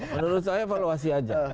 menurut saya evaluasi aja